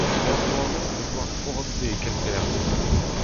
Er bloaz-mañ e vo ar forom-se e Kemperle.